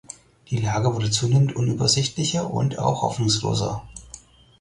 Die Lage wurde zunehmend unübersichtlicher und auch hoffnungsloser.